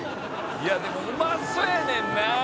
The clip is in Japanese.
「いやでもうまそうやねんな！」